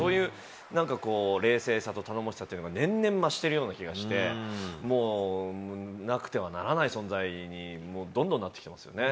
なんかこう、冷静さと頼もしさというのが、年々増してるような気がして、もう、なくてはならない存在にもう、どんどんなってきてますよね。